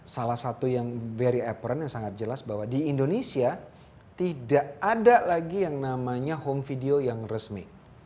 salah satu yang very aperan yang sangat jelas bahwa di indonesia tidak ada lagi yang namanya home video yang resmi